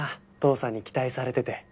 父さんに期待されてて。